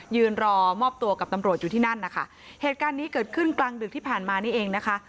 ยืนรอมอบตัวกับตำรวจอยู่ที่นั่นนะคะเหตุการณ์นี้เกิดขึ้นกลางดึกที่ผ่านมานี่เองนะคะ